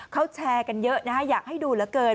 เขาแชร์กันเยอะนะฮะอยากให้ดูเหลือเกิน